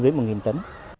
để tiêu thụ ngoại cộng a